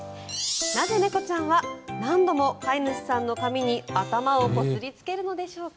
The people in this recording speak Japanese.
なぜ、猫ちゃんは何度も飼い主さんの髪に頭をこすりつけるんでしょうか。